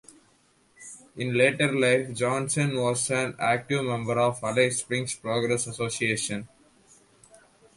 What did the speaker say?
In later life Johannsen was an active member of the Alice Springs Progress Association.